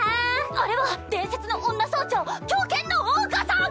あれは伝説の女総長狂犬の桜花さん！